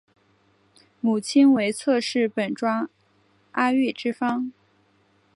母亲为侧室本庄阿玉之方。